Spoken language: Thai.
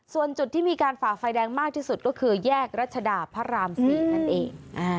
ส่วนจุดที่มีการฝ่าไฟแดงมากที่สุดก็คือแยกรัชดาพระราม๔นั่นเอง